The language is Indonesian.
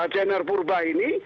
januar purba ini